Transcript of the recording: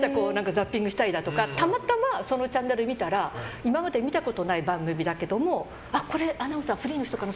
ザッピングしてる時とかたまたま、そのチャンネル見たら今まで見たことがない番組だけどもアナウンサー、フリーの人かな